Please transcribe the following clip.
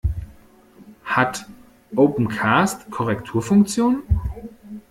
Hat Opencast Korrekturfunktionen?